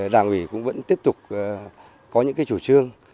đảng ủy cũng vẫn tiếp tục có những chủ trương